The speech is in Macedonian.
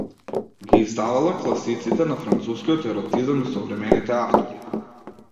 Ги издавала класиците на францускиот еротизам и современите автори.